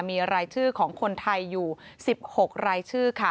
มีรายชื่อของคนไทยอยู่๑๖รายชื่อค่ะ